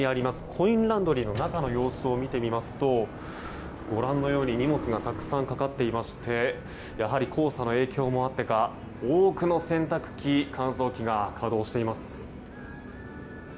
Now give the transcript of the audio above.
コインランドリーの中の様子を見てみますと、ご覧のように荷物がたくさんかかっていましてやはり黄砂の影響もあってか多くの洗濯機乾燥機が稼働しています。